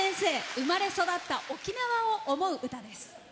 生まれ育った沖縄を思う歌です。